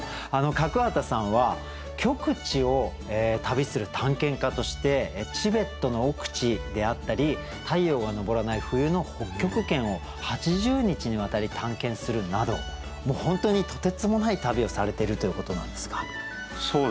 角幡さんは極地を旅する探検家としてチベットの奥地であったり太陽が昇らない冬の北極圏を８０日にわたり探検するなどもう本当にとてつもない旅をされてるということなんですが。